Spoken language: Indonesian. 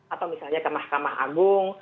atau misalnya ke mahkamah agung